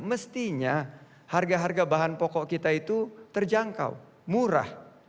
mestinya harga harga bahan pokok kita itu terjangkau murah